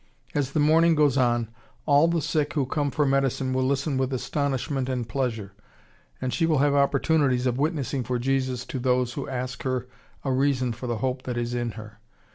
As the morning goes on, all the sick who come for medicine will listen with astonishment and pleasure, and she will have opportunities of witnessing for Jesus to those who ask her a reason for the hope that is in her.